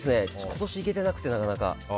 今年行けてなくてなかなか。